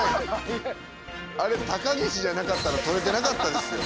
あれ高岸じゃなかったら捕れてなかったですよ。